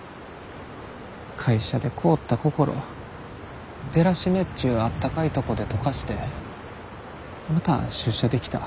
会社で凍った心デラシネっちゅうあったかいとこで解かしてまた出社できた。